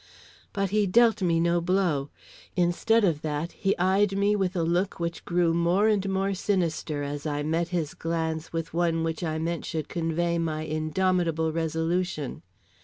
But he dealt me no blow. Instead of that he eyed me with a look which grew more and more sinister as I met his glance with one which I meant should convey my indomitable resolution.